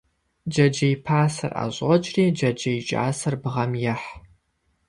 Джэджьей пасэр ӏэщӏокӏри, джэджьей кӏасэр бгъэм ехь.